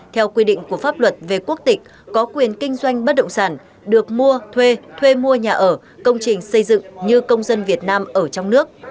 theo quy định của pháp luật về quốc tịch có quyền kinh doanh bất động sản được mua thuê thuê mua nhà ở công trình xây dựng như công dân việt nam ở trong nước